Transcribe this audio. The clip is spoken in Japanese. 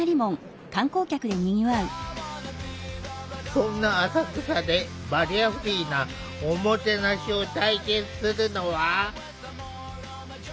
そんな浅草でバリアフリーな“おもてなし”を体験するのは。